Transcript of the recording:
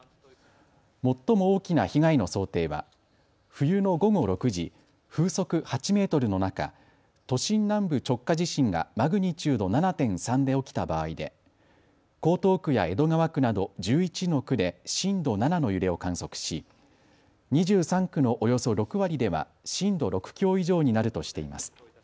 最も大きな被害の想定は冬の午後６時、風速８メートルの中、都心南部直下地震がマグニチュード７．３で起きた場合で江東区や江戸川区など１１の区で震度７の揺れを観測し２３区のおよそ６割では震度６強以上になるとしています。